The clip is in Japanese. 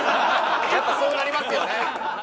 やっぱそうなりますよね。